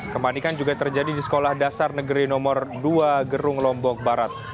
kepanikan juga terjadi di sekolah dasar negeri nomor dua gerung lombok barat